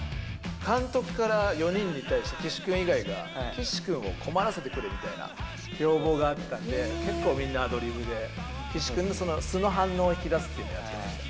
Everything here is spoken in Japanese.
監督から４人に対して、岸君以外が、岸君を困らせてくれみたいな要望があったんで、結構みんなアドリブで、岸君の素の反応を引き出すというのをやってきた。